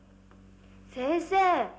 先生